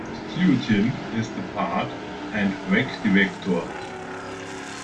Stew Timm is the Park and Rec Director.